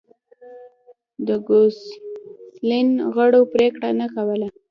د ګوسپلین غړو پرېکړه نه کوله